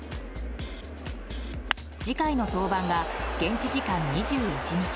次回の登板が現地時間２１日。